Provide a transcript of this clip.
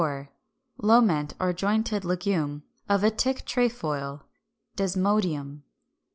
Loment or jointed legume of a Tick Trefoil (Desmodium).